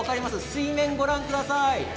水面を、ご覧ください。